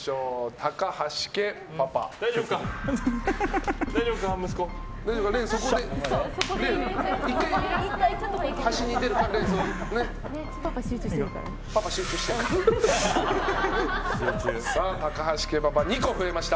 高橋家パパ、２個増えました。